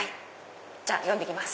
じゃあ呼んできます。